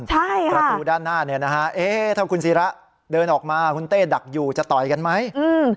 ประตูด้านหน้าถ้าคุณศิราเดินออกมาคุณเต้ดักอยู่จะต่อยกันไหม